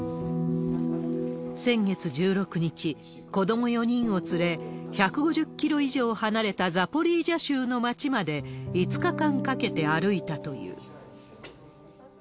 先月１６日、子ども４人を連れ、１５０キロ以上離れたザポリージャ州の町まで、５日間かけて歩いたという。